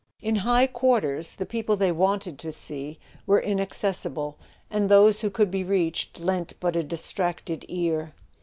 In high quarters the people they wanted to see were inaccessible; and those who could be reached lent but a distracted ear.